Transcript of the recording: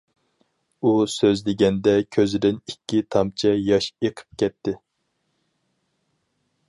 ئۇ سۆزلىگەندە كۆزىدىن ئىككى تامچە ياش ئېقىپ كەتتى.